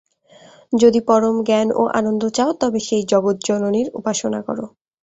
যদি পরম জ্ঞান ও আনন্দ চাও, তবে সেই জগজ্জননীর উপাসনা কর।